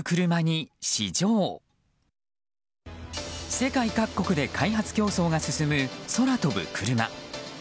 世界各国で開発競争が進む空飛ぶクルマ。